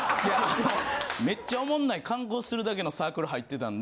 めっちゃおもんない観光するだけのサークル入ってたんで。